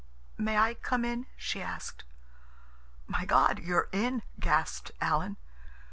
"May I come in?" she asked. "My God, you're in!" gasped Alan.